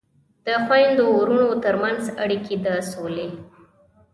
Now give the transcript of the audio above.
د خویندو ورونو ترمنځ اړیکې د سولې